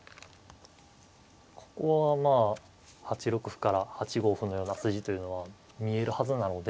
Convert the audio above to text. ここはまあ８六歩から８五歩のような筋というのは見えるはずなので。